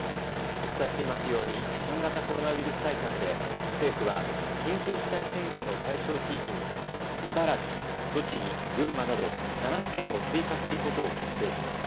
お伝えしていますように新型コロナウイルス対策で政府は緊急事態宣言の対象地域に茨城、栃木、群馬など７府県を追加することを決定しました。